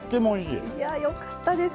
いやよかったです。